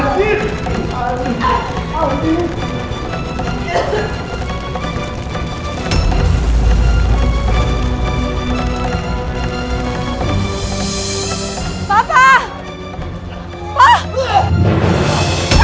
tidak bisa pak